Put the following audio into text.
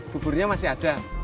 buburnya masih ada